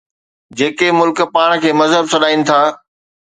جيڪي ملڪ پاڻ کي مهذب سڏائين ٿا.